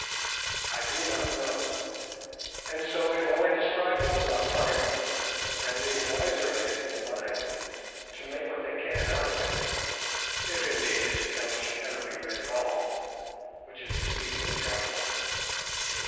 I do not know, and so can only describe them as I find them, and leave wiser heads than mine to make what they can out of it, if indeed this account should ever be read at all, which is exceedingly doubtful.